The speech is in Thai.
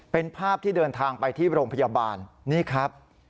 เป็นภาพที่เดินทางไปที่โรงพยาบาลนี่ครับ